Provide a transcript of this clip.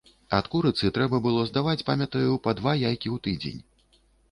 Ад курыцы трэба было здаваць, памятаю, па два яйкі ў тыдзень.